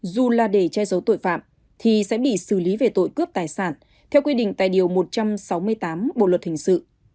dù là để che giấu tội phạm thì sẽ bị xử lý về tội cướp tài sản theo quy định tài điều một trăm sáu mươi tám bộ luật hình sự